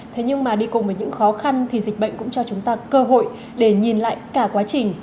thế nhưng mà đi cùng với những khó khăn thì dịch bệnh cũng cho chúng ta cơ hội để nhìn lại cả quá trình